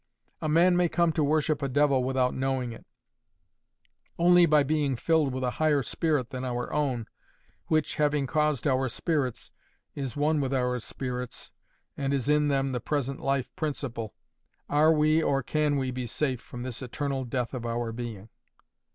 A man may come to worship a devil without knowing it. Only by being filled with a higher spirit than our own, which, having caused our spirits, is one with our spirits, and is in them the present life principle, are we or can we be safe from this eternal death of our being.